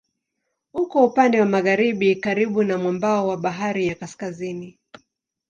Uko upande wa magharibi karibu na mwambao wa Bahari ya Kaskazini.